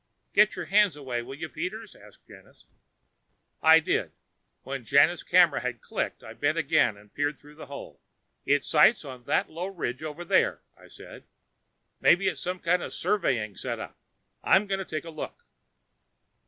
"Get your hand away, will you, Peters?" asked Janus. I did. When Janus's camera had clicked, I bent again and peered through the hole. "It sights on that low ridge over there," I said. "Maybe it's some kind of surveying setup. I'm going to take a look."